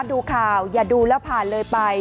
ดูข่าวอย่าดูแล้วผ่านเลยไป